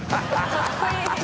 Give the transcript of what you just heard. かっこいい